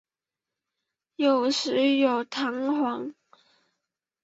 有时有蕈环。